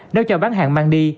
nếu cho bán hàng mang đi